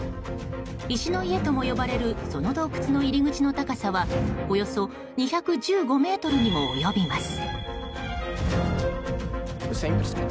石の家とも呼ばれるその洞窟の入り口の高さはおよそ２１５ｍにも及びます。